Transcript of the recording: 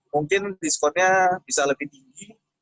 mungkin diskonnya bisa lebih tinggi